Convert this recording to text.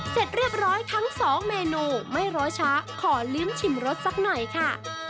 เสร็จเรียบร้อยทั้งสองเมนูไม่รอช้าขอลิ้มชิมรสสักหน่อยค่ะ